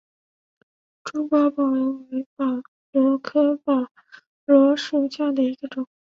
珍珠宝螺为宝螺科宝螺属下的一个种。